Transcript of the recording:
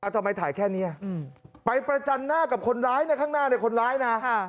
ทำไมถ่ายแค่นี้ไปประจันหน้ากับคนร้ายในข้างหน้าในคนร้ายนะ